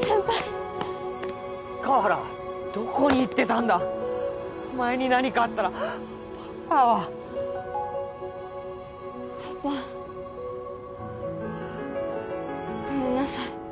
先輩川原どこに行ってたんだお前に何かあったらパパはパパごめんなさい